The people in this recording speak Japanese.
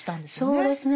そうですね